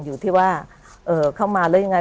อยู่ที่ว่าเข้ามาแล้วยังไง